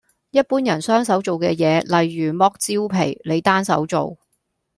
一般人雙手做嘅嘢，例如剝蕉皮，你單手做